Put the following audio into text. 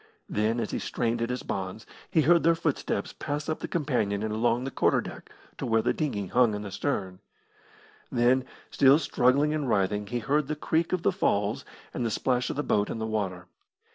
Then, as he strained at his bonds, he heard their footsteps pass up the companion and along the quarter deck to where the dinghy hung in the stern. Then, still struggling and writhing, he heard the creak of the falls and the splash of the boat in the water.